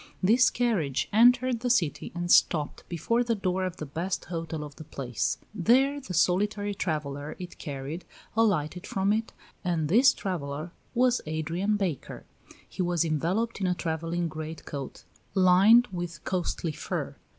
This carriage entered the city and stopped before the door of the best hotel of the place; there the solitary traveller it carried alighted from it, and this traveller was Adrian Baker. He was enveloped in a travelling great coat lined with costly fur.